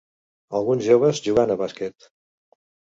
alguns joves jugant a bàsquet